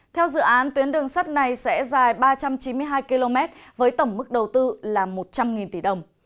theo dự án tuyến đường sắt này sẽ dài ba trăm chín mươi hai km với tổng mức đầu tư là một trăm linh tỷ đồng